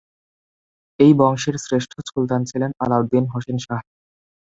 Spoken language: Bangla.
এই বংশের শ্রেষ্ঠ সুলতান ছিলেন আলাউদ্দিন হোসেন শাহ।